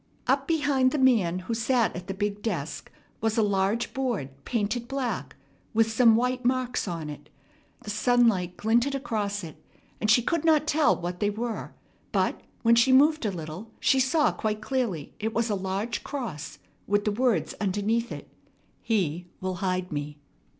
Up behind the man who sat at the big desk was a large board painted black with some white marks on it. The sunlight glinted across it, and she could not tell what they were; but, when she moved a little, she saw quite clearly it was a large cross with words underneath it "He will hide me."